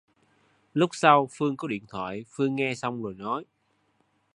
lúc sau phương có điện thoại Phương nghe xong rồi nói